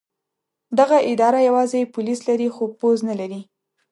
دغه اداره یوازې پولیس لري خو پوځ نه لري.